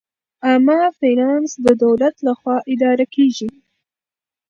عامه فینانس د دولت لخوا اداره کیږي.